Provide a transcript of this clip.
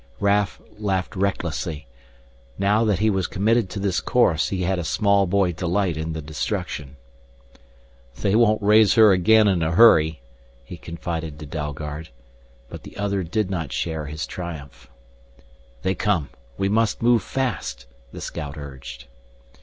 Raf laughed recklessly. Now that he was committed to this course, he had a small boy delight in the destruction. "They won't raise her again in a hurry," he confided to Dalgard. But the other did not share his triumph. "They come we must move fast," the scout urged.